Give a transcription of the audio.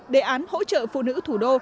đề án hỗ trợ phụ nữ thủ đô